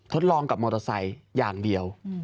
ทดลองกับมอเตอร์ไซค์อย่างเดียว